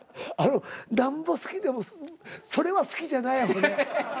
あのなんぼ好きでもそれは好きじゃない俺。